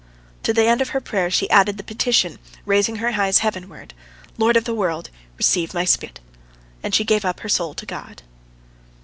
To the end of her prayer she added the petition, raising her eyes heavenward, "Lord of the world! Receive my spirit!" and she gave up her soul to God.